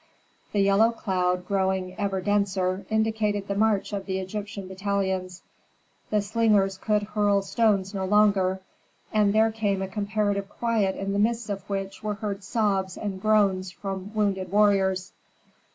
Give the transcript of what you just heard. The yellow cloud, growing ever denser, indicated the march of the Egyptian battalions. The slingers could hurl stones no longer, and there came a comparative quiet in the midst of which were heard sobs and groans from wounded warriors.